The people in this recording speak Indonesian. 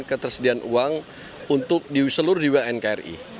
ketersediaan uang untuk seluruh wilayah nkri